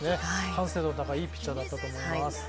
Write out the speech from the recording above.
完成度の高いいいピッチャーだと思います。